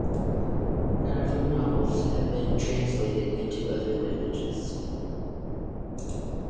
None of her novels have been translated into other languages.